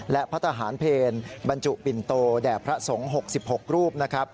และพระทหารเพลบรรจุปิ่นโตแด่พระสงฆ์๖๖รูปนะครับ